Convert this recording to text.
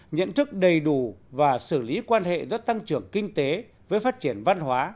nhận thức đầy đủ và xử lý quan hệ giữa tăng trưởng kinh tế với phát triển văn hóa